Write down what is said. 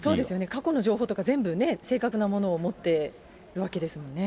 過去の情報とか全部、正確なものを持ってるわけですもんね。